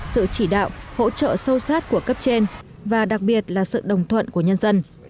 sự chỉ đạo hỗ trợ sâu sát của cấp trên và đặc biệt là sự đồng thuận của nhân dân